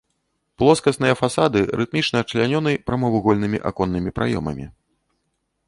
Плоскасныя фасады рытмічна члянёны прамавугольнымі аконнымі праёмамі.